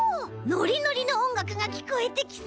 ノリノリのおんがくがきこえてきそう！